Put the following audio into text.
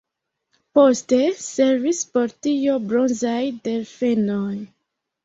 Poste servis por tio bronzaj delfenoj.